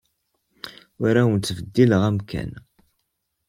Ur awent-ttbeddileɣ amkan.